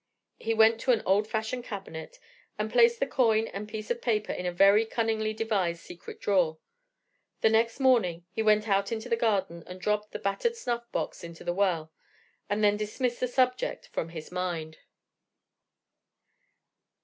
He went to an old fashioned cabinet, and placed the coin and piece of paper in a very cunningly devised secret drawer. The next morning he went out into the garden and dropped the battered snuffbox into the well, and then dismissed the subject from his mind.